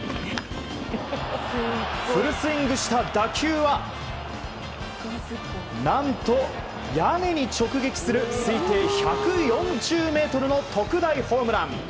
フルスイングした打球は何と屋根に直撃する推定１４０ｍの特大ホームラン！